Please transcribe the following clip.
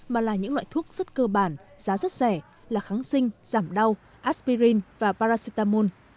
mà là những loại thuốc rất cơ bản giá rất rẻ là kháng sinh giảm đau aspirin và paracetamol